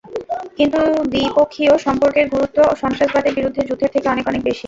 কিন্তু দ্বিপক্ষীয় সম্পর্কের গুরুত্ব সন্ত্রাসবাদের বিরুদ্ধে যুদ্ধের থেকে অনেক অনেক বেশি।